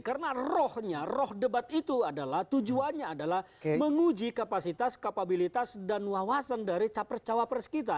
karena rohnya roh debat itu tujuannya adalah menguji kapasitas kapabilitas dan wawasan dari capres cawapres kita